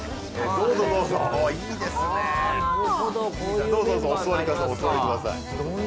どうぞどうぞお座りください